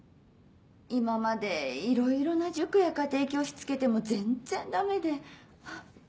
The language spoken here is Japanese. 今までいろいろな塾や家庭教師つけても全然ダメで。